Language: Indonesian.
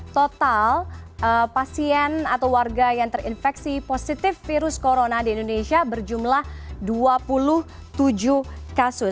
total pasien atau warga yang terinfeksi positif virus corona di indonesia berjumlah dua puluh tujuh kasus